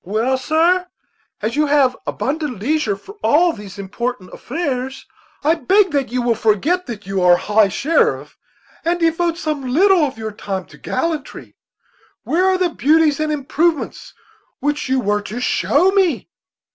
"Well, sir, as you have abundant leisure for all these important affairs, I beg that you will forget that you are high sheriff, and devote some little of your time to gallantry. Where are the beauties and improvements which you were to show me?"